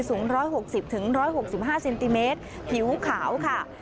สูงร้อยหกสิบถึงร้อยหกสิบห้าเซนติเมตรผิวขาวค่ะ